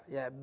ya itu juga